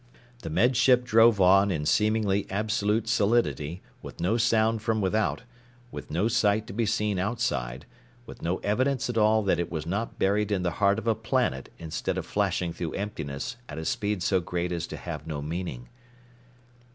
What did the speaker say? The Med Ship drove on in seemingly absolute solidity, with no sound from without, with no sight to be seen outside, with no evidence at all that it was not buried in the heart of a planet instead of flashing through emptiness at a speed so great as to have no meaning.